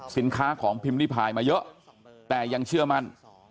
สินค้าของพิมพ์ริพายมาเยอะแต่ยังเชื่อมั่น